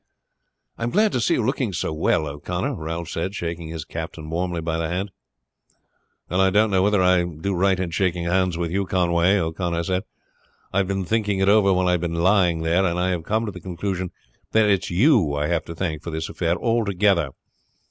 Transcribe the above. "I am glad to see you looking so well, O'Connor," Ralph said, shaking his captain warmly by the hand. "I don't know whether I do right in shaking hands with you, Conway," O'Connor said. "I have been thinking it over while I have been lying there, and I have come to the conclusion that it's you I have to thank for this affair altogether."